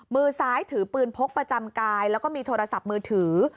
มือซ้ายถือปืนพกประจำกายแล้วก็มีโทรศัพท์มือถือ